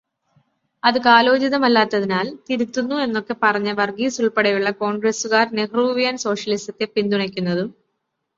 അത് കാലോചിതമല്ലാത്തതിനാൽ തിരുത്തുന്നു എന്നൊക്കെ പറഞ്ഞ വർഗീസുൾപ്പടെയുള്ള കോൺഗ്രസ്സുകാർ നെഹ്രൂവിയൻ സോഷ്യലിസത്തെ പിന്തുണയ്ക്കുന്നതും